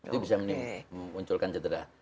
itu bisa menimbulkan cedera